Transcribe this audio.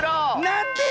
なんで⁉